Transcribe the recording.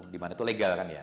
dimana itu legal kan ya